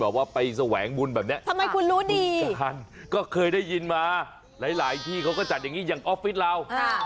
บึงการก็เคยได้ยินมาหลายที่เขาก็จัดอย่างนี้อย่างออฟฟิศเรา